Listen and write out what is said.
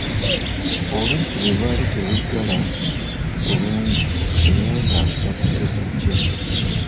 Oluggi lwe lwali terweggala bulungi era ng'asula ku tebuukye.